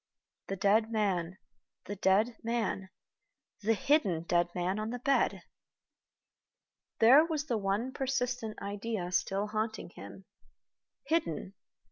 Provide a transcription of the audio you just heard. The dead man, the dead man, the hidden dead man on the bed! There was the one persistent idea still haunting him. Hidden!